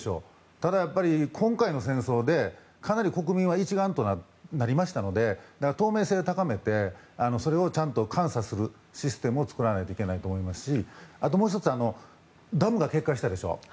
ただ、今回の戦争でかなり国民は一丸となりましたので透明性を高めてそれをちゃんと監査するシステムを作らないといけないと思いますしもう１つダムが決壊したでしょう。